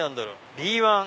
「Ｂ１」